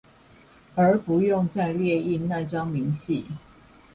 而不用再列印那張明細